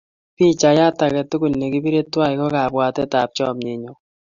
Pichaiyat ake tukul ne kipire twai ko kapwatetap chomye nyon.